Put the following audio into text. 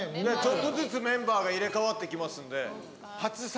ちょっとずつメンバーが入れ替わっていきますんで。